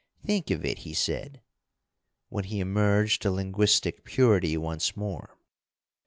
"Think of it," he said, when he emerged to linguistic purity once more.